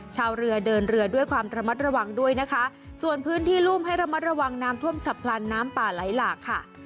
ชาวเรือเดินเรือด้วยความระมัดระวังด้วยนะคะส่วนพื้นที่รุ่มให้ระมัดระวังน้ำท่วมฉับพลันน้ำป่าไหลหลากค่ะ